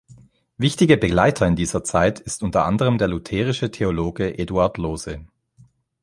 Wichtige Begleiter in dieser Zeit ist unter anderem der lutherische Theologe Eduard Lohse.